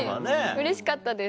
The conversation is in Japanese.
うれしかったです